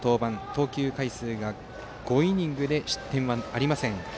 投球回数５イニングで失点ありません。